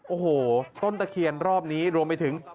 โอ้โหต้นตะเคียนรอบนี้รวมไปถึง